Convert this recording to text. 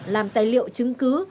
làm tài liệu chứng cứ